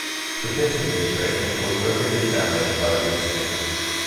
The Pierce Administration was irreparably damaged by the incident.